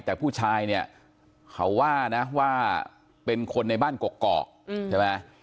แต่ผู้ชายเนี่ยเขาว่านะว่าเป็นคนในบ้านกกอกใช่ไหม